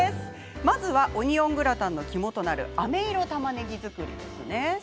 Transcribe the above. まずは、オニオングラタンの肝となるあめ色たまねぎ作りですね。